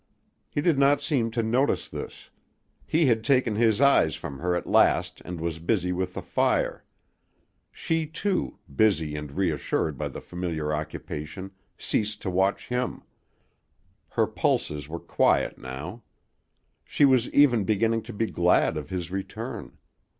He did not seem to notice this. He had taken his eyes from her at last and was busy with the fire. She, too, busy and reassured by the familiar occupation, ceased to watch him. Her pulses were quiet now. She was even beginning to be glad of his return.